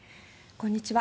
こんにちは。